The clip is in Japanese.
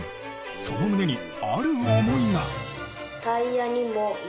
その胸にある思いが。